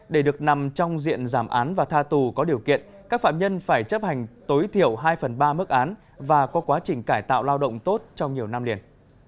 để được nằm trong diện giảm án và tha tù có điều kiện các phạm nhân phải chấp hành tối thiểu hai phần ba mức án và có quá trình cải tạo lao động tốt trong nhiều năm liền